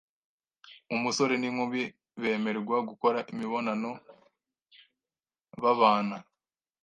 umusore n’inkumi bemerwa gukora imibonano babana